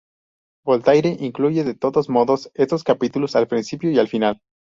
Voltaire incluye, de todos modos, estos capítulos al principio y al final.